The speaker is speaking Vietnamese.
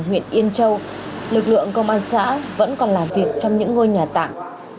huyện yên châu lực lượng công an xã vẫn còn làm việc trong những ngôi nhà tạm